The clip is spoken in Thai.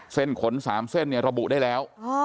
เส้นขน๓เส้นเนี่ยระบุได้แล้ว